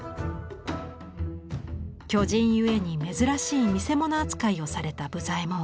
巨人ゆえに珍しい見せ物扱いをされた武左衛門。